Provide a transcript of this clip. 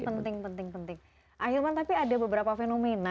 akhirnya tapi ada beberapa fenomena